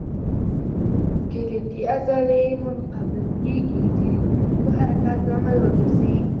سکلیټي عضلې منقبض کېږي چې د هډوکو د حرکت لامل وګرځي.